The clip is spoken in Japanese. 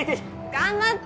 頑張って！